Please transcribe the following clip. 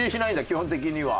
基本的には。